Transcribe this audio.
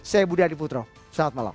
saya budi adiputro selamat malam